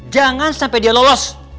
jangan sampai dia lolos